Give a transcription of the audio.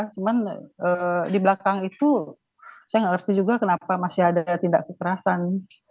cuman di belakang itu saya nggak ngerti juga kenapa masih ada tindak kekerasan